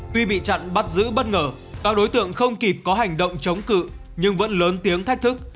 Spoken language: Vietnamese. tuy bị chặn bắt giữ bất ngờ các đối tượng không kịp có hành động chống cự nhưng vẫn lớn tiếng thách thức